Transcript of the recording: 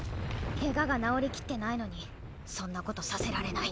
ケガが治りきってないのにそんなことさせられない。